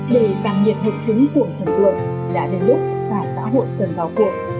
để giảm nhiệt hợp chứng của thần tượng đã đến lúc mà xã hội cần vào cuộc